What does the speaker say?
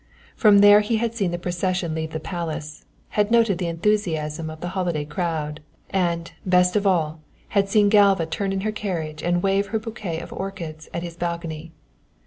From there he had seen the procession leave the palace, had noted the enthusiasm of the holiday crowd, and, best of all, had seen Galva turn in her carriage and wave her bouquet of orchids at his balcony.